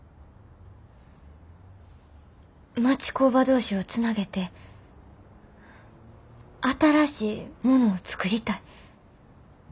町工場同士をつなげて新しいものを作りたい。